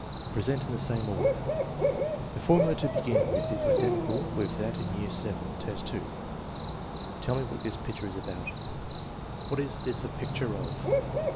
Present in the same order. The formula to begin with is identical with that in VII. 2: " Tell me what this picture is about. What is this a pic ture of?"